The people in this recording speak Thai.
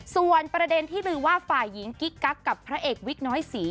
ส่วนประเด็นที่ลือว่าฝ่ายหญิงกิ๊กกักกับพระเอกวิกน้อยศรี